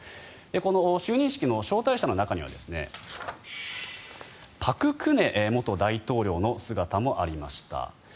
この就任式の招待者の中には朴槿惠元大統領の姿もありました。